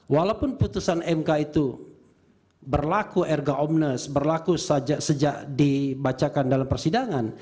walaupun putusan mk itu berlaku erga omnas berlaku sejak dibacakan dalam persidangan